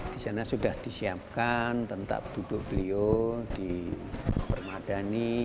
di sana sudah disiapkan tempat duduk beliau di permadani